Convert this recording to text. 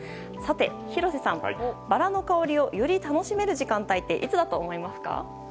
廣瀬さん、バラの香りをより楽しめる時間帯っていつだと思いますか？